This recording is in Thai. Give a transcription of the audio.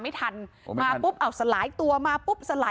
ช่องบ้านต้องช่วยแจ้งเจ้าหน้าที่เพราะว่าโดนฟันแผลเวิกวะค่ะ